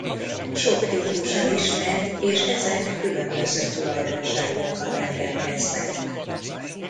Sok típusa ismert és ezek különböző tulajdonságokkal rendelkeznek.